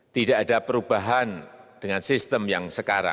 tidak ada perubahan dengan sistem yang sekarang